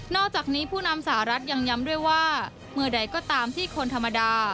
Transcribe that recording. อกจากนี้ผู้นำสหรัฐยังย้ำด้วยว่าเมื่อใดก็ตามที่คนธรรมดา